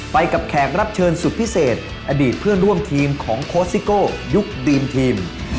ไปกับแขกรับเชิญสุดพิเศษอดีตเพื่อนร่วมทีมของโค้ชซิโก้ยุคดีมทีม